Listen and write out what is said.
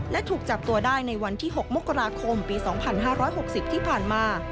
และถูกจับตัวได้ในวันที่๖มกราคมปี๒๕๖๐ที่ผ่านมา